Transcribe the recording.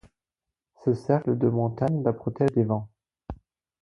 Ce cercle de montagnes la protège des vents.